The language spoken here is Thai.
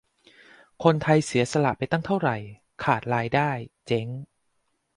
คนไทยเสียสละไปตั้งเท่าไร ขาดรายได้ เจ๊ง